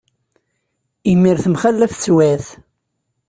Imir temxalaf teswiεt.